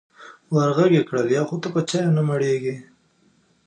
ور غږ یې کړل: یو خو ته په چایو نه مړېږې.